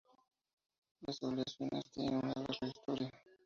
Las obleas finas tienen una larga historia.